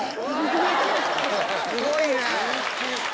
すごいね！